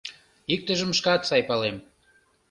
Иктыжым шкат сай палем.